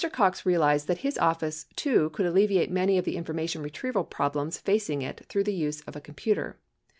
Cox realized that his office too could alleviate many of the information retrieval problems facing it through the use of a computer.